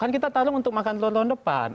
kan kita tolong untuk makan telur tahun depan